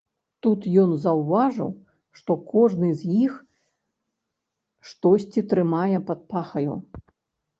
Тут ён заўважыў, што кожны з іх штосьці трымае пад пахаю.